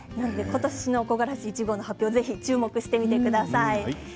今年の木枯らし１号の発表注目してみてください。